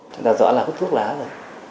chúng ta rõ là hút thuốc lá rồi